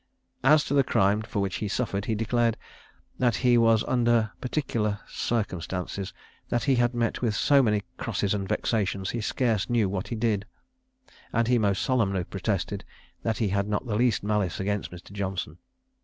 As to the crime for which he suffered, he declared "that he was under particular circumstances that he had met with so many crosses and vexations, he scarce knew what he did:" and he most solemnly protested "that he had not the least malice against Mr. Johnson."